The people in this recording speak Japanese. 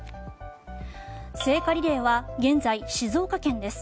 聖火リレーは現在、静岡県です。